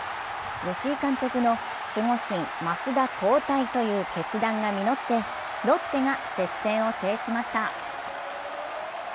吉井監督の守護神・益田交代という決断が実ってロッテが接戦を制しました。